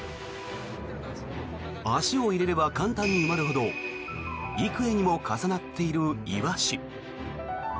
足を入れれば簡単に埋まるほど幾重にも重なっているイワシ。